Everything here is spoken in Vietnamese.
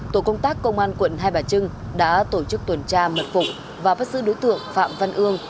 tổ công tác công an quận hai bà trưng đã tổ chức tuần tra mật phục và bắt giữ đối tượng phạm văn ương